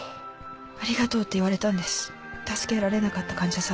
ありがとうって言われたんです助けられなかった患者さんに。